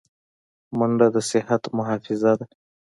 منډه د صحت محافظه ده